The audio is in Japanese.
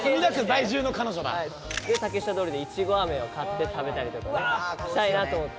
竹下通りでいちごアメを買って食べたりとかしたいなと思って。